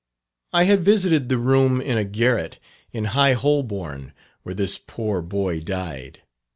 I had visited the room in a garret in High Holborn, where this poor boy died.